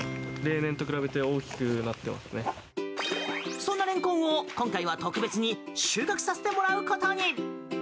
そんなレンコンを、今回は特別に収穫させてもらうことに！